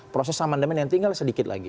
proses amandemen yang tinggal sedikit lagi